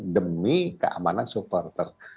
demi keamanan supporter